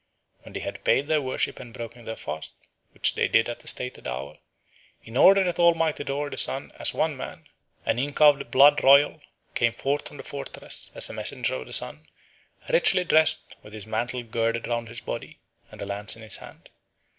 When they had paid their worship and broken their fast, which they did at a stated hour, in order that all might adore the Sun as one man, an Inca of the blood royal came forth from the fortress, as a messenger of the Sun, richly dressed, with his mantle girded round his body, and a lance in his hand.